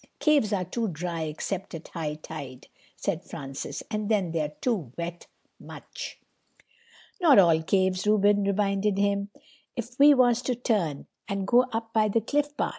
"Caves are too dry, except at high tide," said Francis. "And then they're too wet. Much." "Not all caves," Reuben reminded him. "If we was to turn and go up by the cliff path.